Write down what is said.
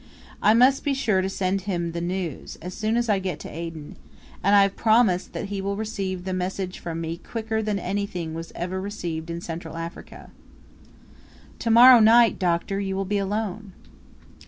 I must be sure to send him the news, as soon as I get to Aden; and I have promised that he will receive the message from me quicker than anything was ever received in Central Africa. "To morrow night, Doctor, you will be alone!"